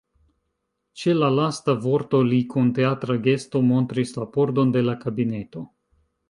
Ĉe la lasta vorto li kun teatra gesto montris la pordon de la kabineto.